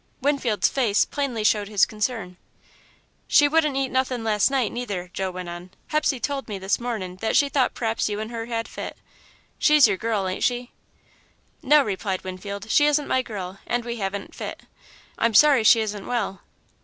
Winfield's face plainly showed his concern. "She wouldn't eat nothin' last night, neither," Joe went on. "Hepsey told me this mornin' that she thought p'raps you and her had fit. She's your girl, ain't she?" "No," replied Winfield, "she isn't my girl, and we haven't 'fit.' I'm sorry she isn't well."